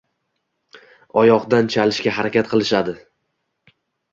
oyoqdan chalishga harakat qilishadi.